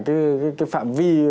cái phạm vi